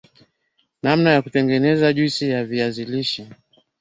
namna ya kutengeneza juice ya viazi lishe